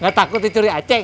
gak takut dicuri aceng